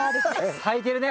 咲いてるね。